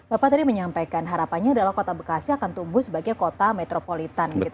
bapak tadi menyampaikan harapannya adalah kota bekasi akan tumbuh sebagai kota metropolitan gitu